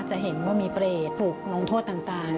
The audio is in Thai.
จะเห็นว่ามีเปรตถูกลงโทษต่าง